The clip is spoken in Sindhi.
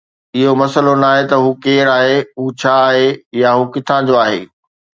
اهو مسئلو ناهي ته هو ڪير آهي، هو ڇا آهي، يا هو ڪٿان جو آهي.